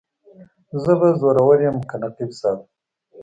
زه به زورور یم که نقیب صاحب.